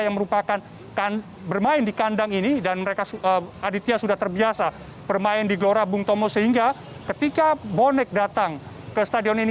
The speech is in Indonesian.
yang merupakan bermain di kandang ini dan mereka aditya sudah terbiasa bermain di gelora bung tomo sehingga ketika bonek datang ke stadion ini